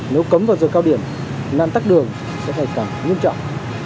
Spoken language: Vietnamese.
nếu cấm vào giờ cao điểm nạn tắc đường sẽ thay cảnh nguyên trọng